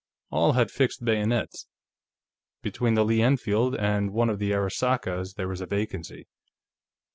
All had fixed bayonets; between the Lee Enfield and one of the Arisakas there was a vacancy.